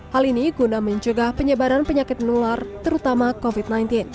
hal ini guna mencegah penyebaran penyakit menular terutama covid sembilan belas